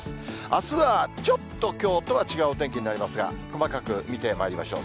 あすはちょっと、きょうとは違うお天気になりますが、細かく見てまいりましょう。